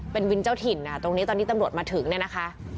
เป็นวินเจ้าถิ่นตรงนี้ตอนที่ตำรวจมาถึงเนี่ยนะคะ